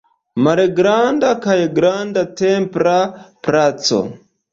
Malgranda kaj Granda templa placo.